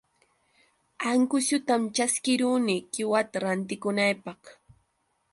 Anqusutam ćhaskiruni qiwata rantikunaypaq.